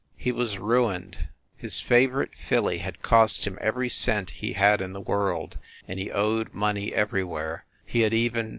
He was ruined. His favorite filly had cost him every cent he had in the world, and he owed money everywhere. He had even